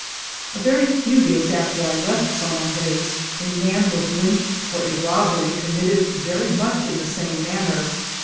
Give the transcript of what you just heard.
A very few days after I left San Andres, a man was lynched for a robbery committed very much in the same manner.